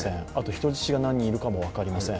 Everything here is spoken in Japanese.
人質が何人いるかも分かりません。